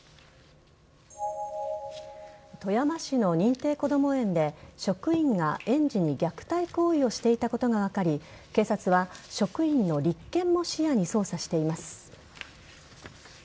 富山市の認定こども園で職員が園児に虐待行為をしていたことが分かり警察は職員の立件も視野に捜査しています。